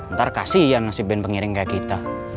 ntar kasian si band pengiring kayak kita